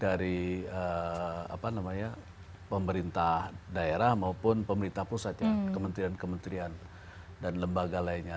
jadi kita baik dari pemerintah daerah maupun pemerintah pusat ya kementerian kementerian dan lembaga lainnya